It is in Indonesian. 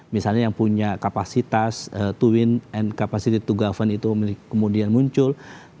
misalnya yang punya kapasitas two wind and capacity to govern itu kemudian muncul